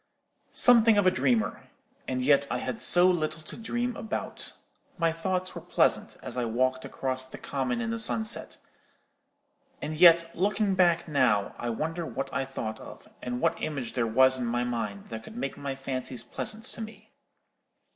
"Something of a dreamer: and yet I had so little to dream about. My thoughts were pleasant, as I walked across the common in the sunset; and yet, looking back now, I wonder what I thought of, and what image there was in my mind that could make my fancies pleasant to me.